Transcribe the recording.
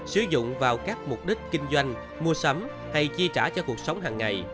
sử dụng vào các mục đích kinh doanh mua sắm hay chi trả cho cuộc sống hàng ngày